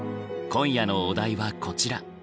今夜のお題はこちら。